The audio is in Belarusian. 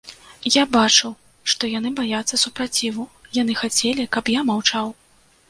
Я бачыў, што яны баяцца супраціву, яны хацелі, каб я маўчаў.